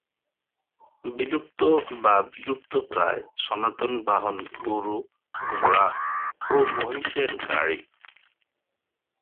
বিলুপ্ত বা বিলুপ্তপ্রায় সনাতন বাহন গরু, ঘোড়া ও মহিষের গাড়ি।